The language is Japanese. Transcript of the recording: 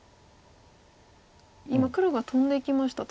今黒がトンでいきました。